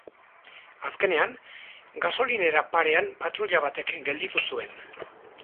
Azkenean, gasolinera parean patruila batek gelditu zuen.